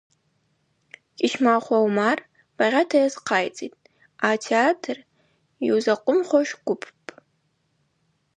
Кӏьыщмахва Умар багъьата йазхъайцӏитӏ – атеатр йузакъвымхуаш гвыппӏ.